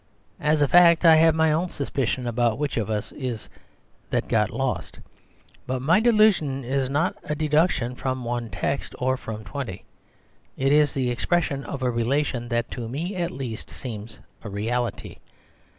As a fact, I have my own suspicions about which of us it is that has got lost But my delusion is not a deduction from one text, or from twenty; it is the expression of a relation that to me at least seems a reality.